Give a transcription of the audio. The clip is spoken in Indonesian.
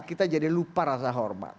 kita jadi lupa rasa hormat